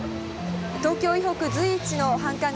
東京以北随一の繁華街